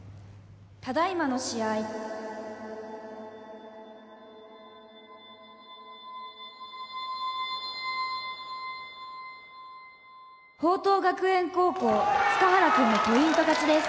「ただ今の試合」「朋桐学園高校束原くんのポイント勝ちです」